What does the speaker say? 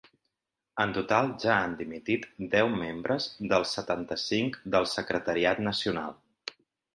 En total ja han dimitit deu membres dels setanta-cinc del secretariat nacional.